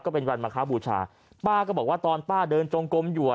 เป็นวันมาคบูชาป้าก็บอกว่าตอนป้าเดินจงกลมอยู่